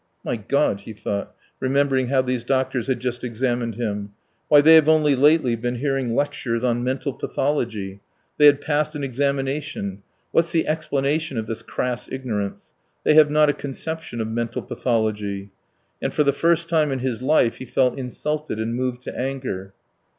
"My God. .." he thought, remembering how these doctors had just examined him; "why, they have only lately been hearing lectures on mental pathology; they had passed an examination what's the explanation of this crass ignorance? They have not a conception of mental pathology!" And for the first time in his life he felt insulted and moved to anger.